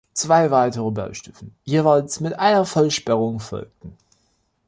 Zwei weitere Baustufen, jeweils mit einer Vollsperrung folgten.